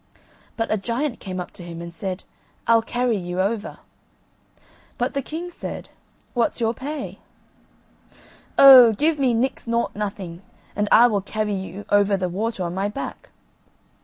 But a giant came up to him, and said "I'll carry you over." But the king said: "What's your pay?" "O give me Nix, Nought, Nothing, and I will carry you over the water on my back."